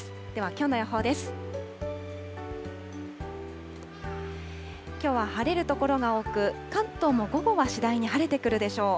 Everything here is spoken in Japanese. きょうは晴れる所が多く、関東も午後は次第に晴れてくるでしょう。